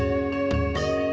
l agradeh banyak